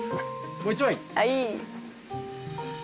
もう１枚。